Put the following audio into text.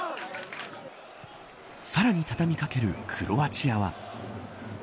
さらにたたみかけるクロアチアは。